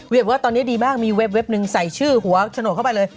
แบบว่าตอนนี้ดีมากมีเว็บนึงใส่ชื่อหัวโฉนดเข้าไปเลย